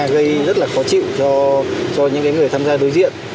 gây rất là khó chịu cho những người tham gia đối diện